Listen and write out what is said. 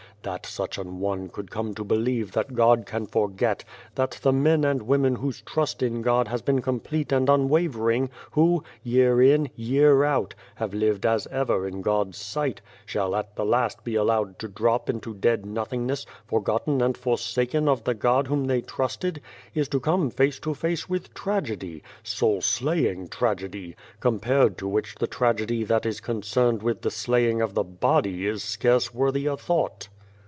That 76 The Face Beyond the Door such an one should come to believe that God can forget ; that the men and women whose trust in God has been complete and unwaver ing, who, year in, year out, have lived as ever in God's sight, shall at the last be allowed to drop into dead nothingness, forgotten and forsaken of the God whom they trusted, is to come face to face with tragedy, soul slaying tragedy, compared to which the tragedy that is concerned with the slaying of the body is scarce worthy a thought."